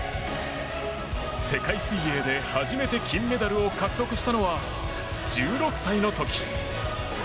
世界水泳で初めて、金メダルを獲得したのは１６歳の時。